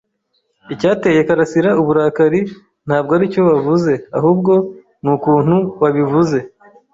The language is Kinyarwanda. Icyateye karasira uburakari ntabwo aricyo wavuze, ahubwo nukuntu wabivuze.